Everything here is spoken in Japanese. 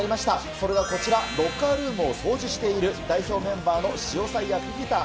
それはこちら、ロッカールームを掃除している、代表メンバーのシオサイア・フィフィタ。